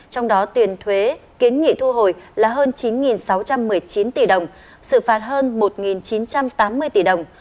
trong đó tiền thuế kiến nghị thu hồi là hơn chín sáu trăm một mươi chín tỷ đồng xử phạt hơn một chín trăm tám mươi tỷ đồng